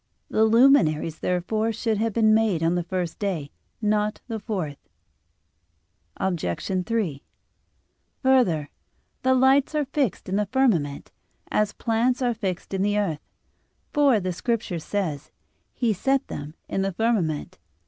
The luminaries, therefore, should have been made on the first day, not on the fourth. Obj. 3: Further, the lights are fixed in the firmament, as plants are fixed in the earth. For, the Scripture says: "He set them in the firmament."